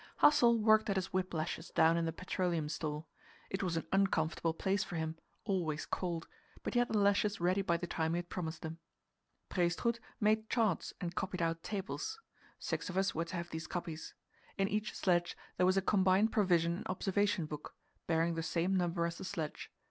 Hassel worked at his whip lashes down in the petroleum store. It was an uncomfortable place for him always cold; but he had the lashes ready by the time he had promised them. Prestrud made charts and copied out tables. Six of us were to have these copies. In each sledge there was a combined provision and observation book, bearing the same number as the sledge.